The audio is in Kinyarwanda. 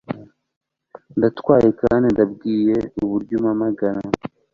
Ndarwaye kandi ndambiwe uburyo umpamagara.